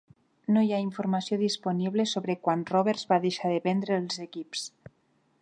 No hi ha informació disponible sobre quan Roberts va deixar de vendre els equips.